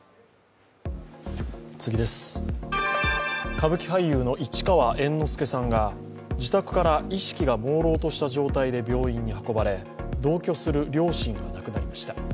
歌舞伎俳優の市川猿之助さんが自宅から意識がもうろうとした状態で病院に運ばれ、同居する両親が亡くなりました。